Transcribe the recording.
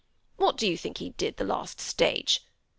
What do you think he did the last stage?